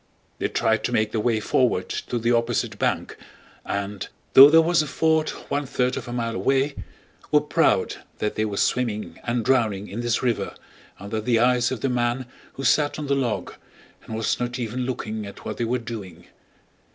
They tried to make their way forward to the opposite bank and, though there was a ford one third of a mile away, were proud that they were swimming and drowning in this river under the eyes of the man who sat on the log and was not even looking at what they were doing.